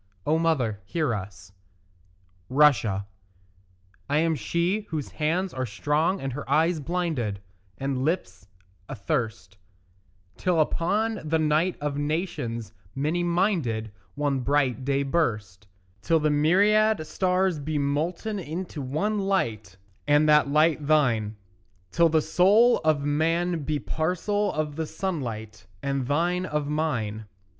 O mother, hear us. RUSSIA I am she whose hands are strong and her eyes blinded And lips athirst Till upon the night of nations many minded One bright day burst: Till the myriad stars be molten into one light, And that light thine; Till the soul of man be parcel of the sunlight, And thine of mine.